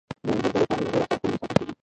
د انځورګرۍ پاڼې او نور اثار خوندي ساتل کیږي.